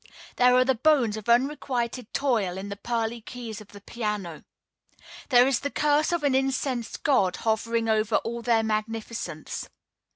There are the bones of unrequited toil in the pearly keys of the piano. There is the curse of an incensed God hovering over all their magnificence.